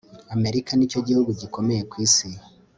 Amerika nicyo gihugu gikomeye ku isi